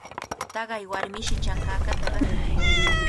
Taqay warmishi chankakata rantin.